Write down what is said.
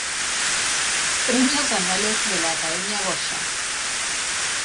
Premios Anuales de la Academia "Goya"